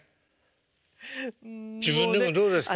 自分でもどうですか？